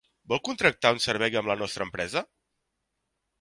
Vol contractar un servei amb la nostra empresa?